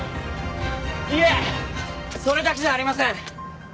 いえそれだけじゃありません！